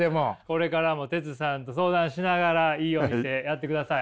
これからもテツさんと相談しながらいいお店やってください。